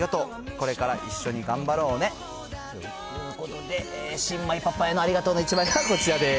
これから一緒に頑張ろうね！ということで、新米パパへのありがとうの１枚がこちらです。